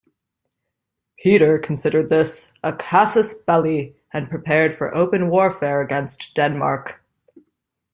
Peter considered this a "casus belli", and prepared for open warfare against Denmark.